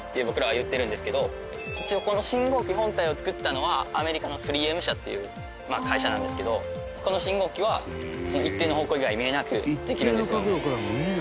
一応この信号機本体を作ったのはアメリカの３Ｍ社っていう会社なんですけどこの信号機は一定の方向以外見えなくできるんですよね。